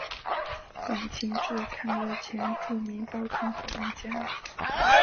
晚清至抗战前著名报刊活动家。